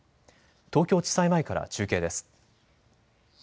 東京地裁前から中継です。